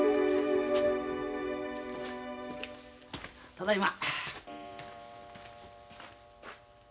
ただいま。